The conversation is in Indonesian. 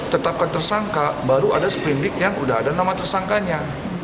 tetapkan tersangka baru ada sprindik yang udah ada nama tersangkanya